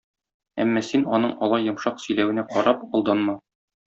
Әмма син, аның алай йомшак сөйләвенә карап, алданма.